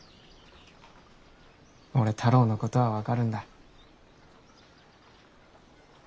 俺太郎のことは分かるんだ。